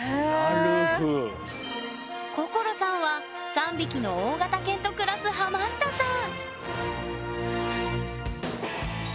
心さんは３匹の大型犬と暮らすハマったさん！